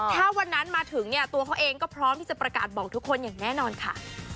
ถ้าวันนั้นมาถึงเนี่ยตัวเขาเองก็พร้อมที่จะประกาศบอกทุกคนอย่างแน่นอนค่ะ